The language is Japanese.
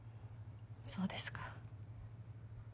そうですか。